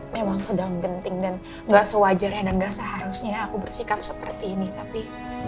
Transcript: memang sedang genting dan gak sewajarnya dan gak seharusnya aku bersikap seperti ini tapi